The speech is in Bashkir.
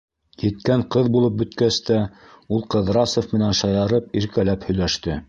Еткән ҡыҙ булып бөткәс тә ул Ҡыҙрасов менән шаярып, иркәләп һөйләште.